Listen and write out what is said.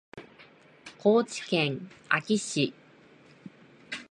高知県安芸市